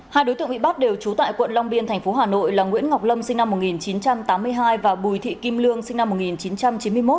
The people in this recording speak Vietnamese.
hai đối tượng bị bắt đều trú tại quận long biên thành phố hà nội là nguyễn ngọc lâm sinh năm một nghìn chín trăm tám mươi hai và bùi thị kim lương sinh năm một nghìn chín trăm chín mươi một